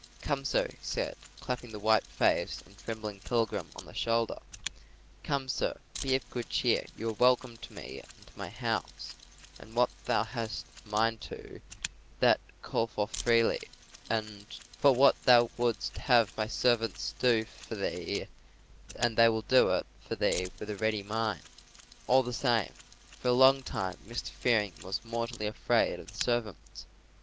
"Come, sir," he said, clapping that white faced and trembling pilgrim on the shoulder, "come, sir, be of good cheer, you are welcome to me and to my house; and what thou hast a mind to, that call for freely: for what thou wouldst have my servants will do for thee, and they will do it for thee with a ready mind." All the same, for a long time Mr. Fearing was mortally afraid of the servants.